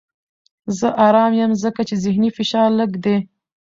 زه ارام یم ځکه چې ذهني فشار لږ دی.